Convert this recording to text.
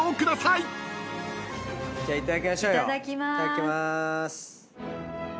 いただきまーす。